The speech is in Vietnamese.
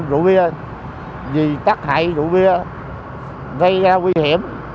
rượu bia vì tác hại rượu bia gây nguy hiểm